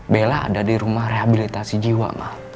bella ada di rumah rehabilitasi jiwa